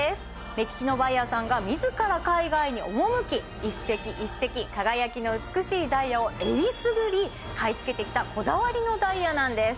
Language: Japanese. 目利きのバイヤーさんが自ら海外に赴き一石一石輝きの美しいダイヤをえりすぐり買い付けてきたこだわりのダイヤなんです